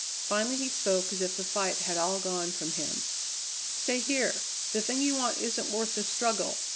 Finally he spoke as if the fight had all gone from him. "Stay here. The thing you want isn't worth the struggle.